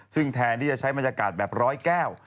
ซึ่งแทนที่จะใช้บรรยากาศแบบร้อยแก้ว